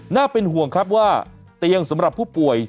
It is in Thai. น่าเป็นห่วงครับว่าเตียงสำหรับผู้ป่วย